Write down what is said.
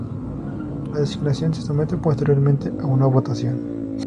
La designación se somete posteriormente a una votación.